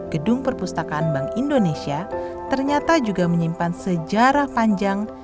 gedung perpustakaan bank indonesia ternyata juga menyimpan sejarah panjang